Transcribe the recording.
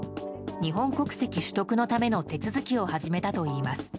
日本国籍取得のための手続きを始めたといいます。